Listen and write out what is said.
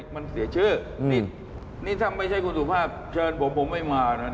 ไม่เสียชื่อนี่นี่ถ้าไม่ใช่คุณสุภาพเชิญพวกผมมา